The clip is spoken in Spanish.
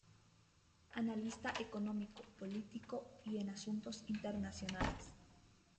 Analista Económico, Político y en Asuntos Internacionales.